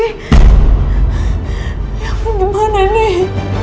ya ampun gimana nih